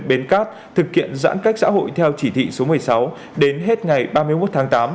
trong đó có nội dung tiếp tục thực hiện kéo dài giãn cách xã hội theo chỉ thị số một mươi sáu đến hết ngày ba mươi một tháng tám